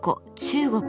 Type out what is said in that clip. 中国